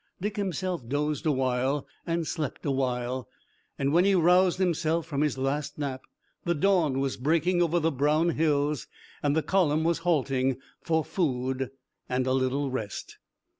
Dick himself dozed awhile, and slept awhile, and, when he roused himself from his last nap, the dawn was breaking over the brown hills and the column was halting for food and a little rest.